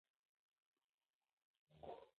او د دې خاورې د هویت ستنه ده.